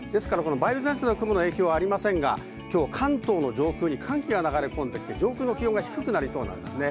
梅雨前線の雲の影響はありませんが、今日は関東の上空に寒気が流れ込んでいて低くなっています。